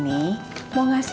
nih mak sebenarnya kesini